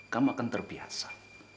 kamu akan terbiasa